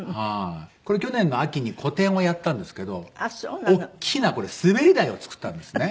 これ去年の秋に個展をやったんですけどおっきな滑り台を作ったんですね。